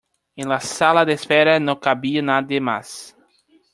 En la sala de espera no cabía nadie más.